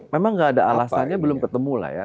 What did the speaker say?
memang nggak ada alasannya belum ketemu lah ya